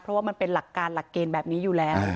เพราะว่ามันเป็นหลักการหลักเกณฑ์แบบนี้อยู่แล้ว